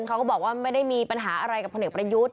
เขาก็บอกว่าไม่ได้มีปัญหาอะไรกับพลเอกประยุทธ์